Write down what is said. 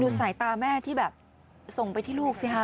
สายตาแม่ที่แบบส่งไปที่ลูกสิคะ